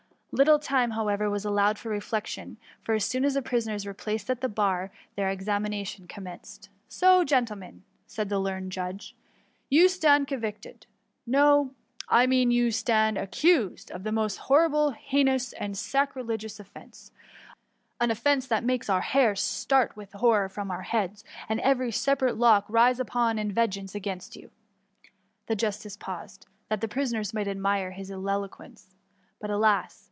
Little time, however, was allowed for reflection ; for as soon as the prisoners were placed at the bar their ex« amination commenced. ^^ So, gentlemen r said the learned judge, " you stand convicted — no, I mean accused, of a most horrible, heinous, and sacrilegious offence THE UVUUYi 9S9 — *iin offence that makes our bur start with horror from our heads, and eTery separate lock rise up in vengeance against you.^ The justice paused, that the prisoners might admire his ek^ quence; but, alas!